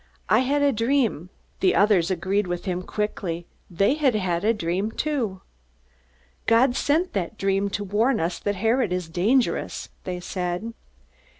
I had a dream...." The others agreed with him quickly. They had had a dream too. "God sent that dream to warn us that Herod is dangerous," they said.